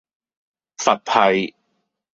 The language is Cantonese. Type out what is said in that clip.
佛系